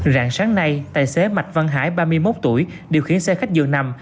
rạng sáng nay tài xế mạch văn hải ba mươi một tuổi điều khiển xe khách dường nằm